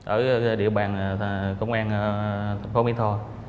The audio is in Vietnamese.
ở địa bàn công an thành phố mỹ tho